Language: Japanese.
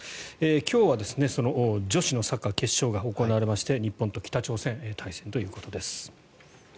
今日は女子のサッカー決勝が行われまして日本と北朝鮮対戦ということです。